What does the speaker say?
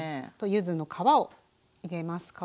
あと柚子の皮を入れます